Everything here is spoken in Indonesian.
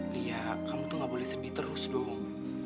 li ya kamu tuh gak boleh sedih terus dong